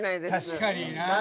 確かにな。